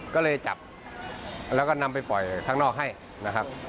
ก็เลยจับแล้วก็นำไปปล่อยข้างนอกให้นะครับ